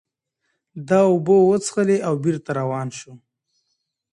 ده اوبه وڅښلې او بېرته روان شو.